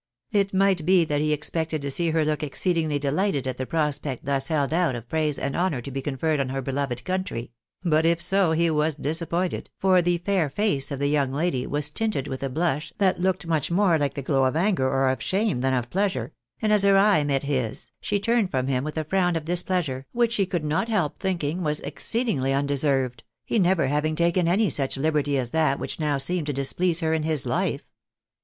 It might be that he expected to see her look exceedingly delighted at the prospect thus held out of praise and honour to be conferred on her beloved country ; but if so, he was disappointed, for the fair face of the young lady was tinted with a blush that looked much more like the glow of anger or of sliame than of pleasure ; and as her eye met his, she turned from him with a frown of dis pleasure, which he could not help thinking was exceedingly unde served, he never having taken any such liberty as that which now seemed to displease her in his life.